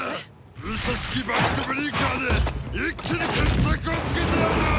風車式バックブリーカーで一気に決着をつけてやる！